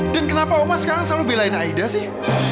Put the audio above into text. dan kenapa oma sekarang selalu belain aida sih